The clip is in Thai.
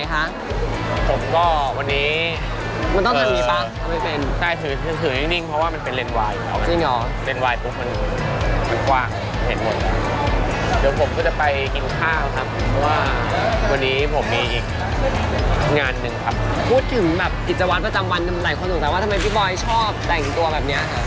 หลายคนถามว่าทำไมพี่บอยชอบแต่งตัวแบบนี้